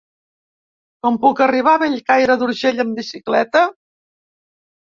Com puc arribar a Bellcaire d'Urgell amb bicicleta?